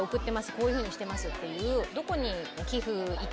こういうふうにしてますっていう。